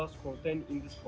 terlihat sangat menarik